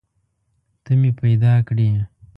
ته مې پیدا کړي